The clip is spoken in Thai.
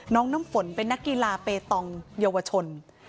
น้ำฝนเป็นนักกีฬาเปตองเยาวชน